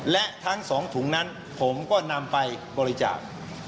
และทั้ง๒ถุงนั้นผมก็นำไปบริจาค